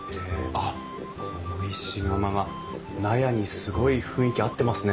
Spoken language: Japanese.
あっこの石窯が納屋にすごい雰囲気合ってますね。